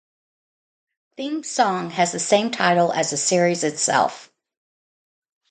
Theme song has the same title as the series itself.